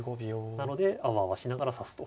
なのであわあわしながら指すと。